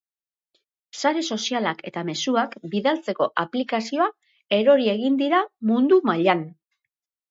Sare sozialak eta mezuak bidaltzeko aplikazioa erori egin dira mundu mailan.